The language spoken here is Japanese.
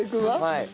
はい。